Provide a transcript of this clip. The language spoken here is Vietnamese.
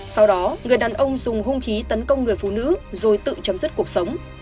sau đó người đàn ông dùng hung khí tấn công người phụ nữ rồi tự chấm dứt cuộc sống